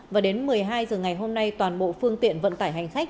và đến một mươi hai h ngày hôm nay toàn bộ phương tiện vận tải hành khách